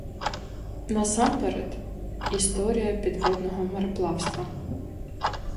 Насамперед — історія підводного мореплавства.